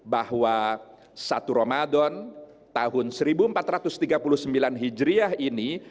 bahwa satu ramadan tahun seribu empat ratus tiga puluh sembilan hijriah ini